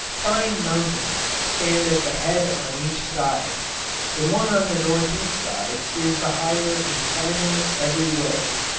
Fine mountains stand at the head on each side. The one on the northeast side is the higher and finer every way.